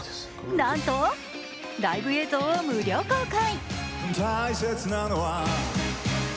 なんとライブ映像を無料公開！